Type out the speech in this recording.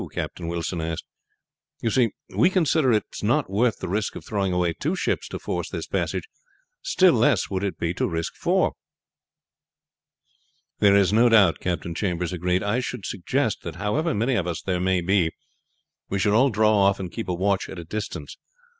Captain Wilson asked. "You see we consider it is not worth the risk of throwing away two ships two force this passage, still less would it be to risk four." "That is so, no doubt," Captain Chambers agreed. "I should suggest that however many of us there may be we should all draw off and keep a watch at a distance.